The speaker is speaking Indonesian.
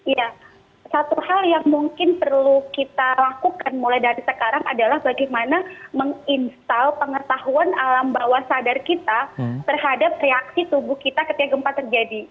ya satu hal yang mungkin perlu kita lakukan mulai dari sekarang adalah bagaimana menginstal pengetahuan alam bawah sadar kita terhadap reaksi tubuh kita ketika gempa terjadi